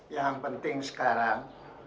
yang penting sekarang